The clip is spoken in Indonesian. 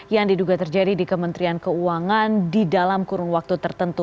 yang diduga terjadi di kementerian keuangan di dalam kurun waktu tertentu